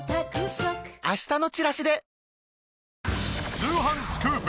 『通販スクープ』